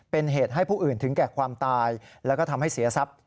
เป็นเหตุให้ผู้อื่นถึงแก่ความตายแล้วก็ทำให้เสียทรัพย์